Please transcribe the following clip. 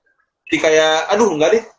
jadi kayak aduh enggak deh